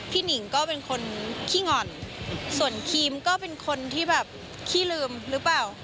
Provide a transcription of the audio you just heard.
หนิงก็เป็นคนขี้หง่อนส่วนครีมก็เป็นคนที่แบบขี้ลืมหรือเปล่า